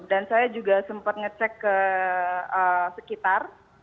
dan saya juga sempat ngecek ke sekitar